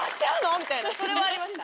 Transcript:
みたいなそれはありました。